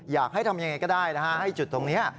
อยากให้ทำยังไงก็ได้นะฮะให้จุดตรงนี้